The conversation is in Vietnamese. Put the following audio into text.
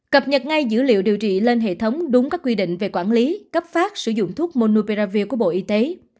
cập nhật ngay dữ liệu điều trị lên hệ thống đúng các quy định về quản lý cấp phát sử dụng thuốc monuperavir của bộ y tế